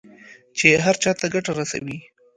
چې هر چا ته ګټه رسوي.